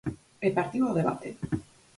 E partiu o debate.